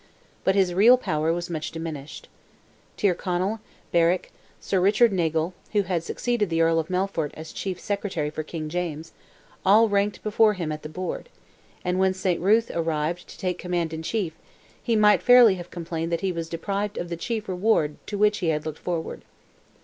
But his real power was much diminished. Tyrconnell, Berwick, Sir Richard Nagle, who had succeeded the Earl of Melfort as chief secretary for King James, all ranked before him at the board, and when Saint Ruth arrived to take command in chief, he might fairly have complained that he was deprived of the chief reward to which he had looked forward.